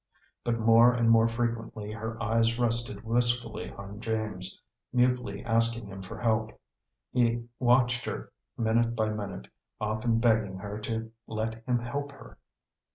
But more and more frequently her eyes rested wistfully on James, mutely asking him for help. He watched her minute by minute, often begging her to let him help her.